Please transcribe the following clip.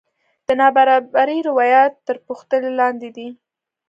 د نابرابرۍ روایت تر پوښتنې لاندې دی.